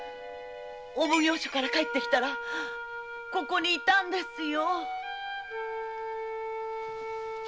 お奉行所から帰ってきたらここに居たんですよ。